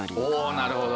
なるほど。